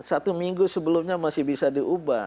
satu minggu sebelumnya masih bisa diubah